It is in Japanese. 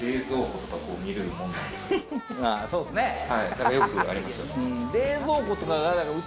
何かよくありますよね。